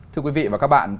thưa quý vị và các bạn